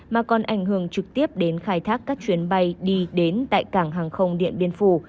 mà còn ảnh hưởng trực tiếp đến khai thác các chuyến bay đi đến tại cảng hàng không điện biên phủ